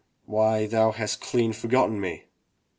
"Why, thou hast clean forgotten me!"